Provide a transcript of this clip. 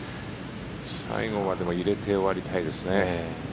最後は、でも入れて終わりたいですね。